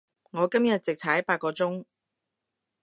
我今日直踩八個鐘